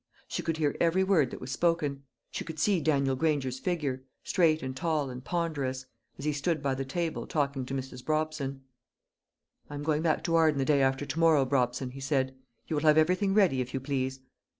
She could hear every word that was spoken; she could see Daniel Granger's figure, straight and tall and ponderous, as he stood by the table talking to Mrs. Brobson. "I am going back to Arden the day after to morrow, Brobson," he said; "you will have everything ready, if you please."